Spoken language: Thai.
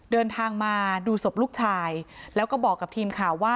เดินทางมาดูศพลูกชายแล้วก็บอกกับทีมข่าวว่า